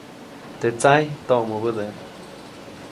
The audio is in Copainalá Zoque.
Teʼ tsajy toʼmubäde.